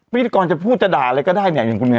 วิธีกรพูดจะด่าอะไรก็ได้อย่างคุณนี้